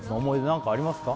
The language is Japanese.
何かありますか？